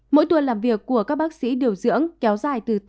mỗi tuần làm việc của các bác sĩ điều dưỡng kéo dài từ tám